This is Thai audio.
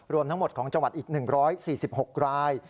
รวมทั้งหมดของจังหวัดอีก๑๔๖ราย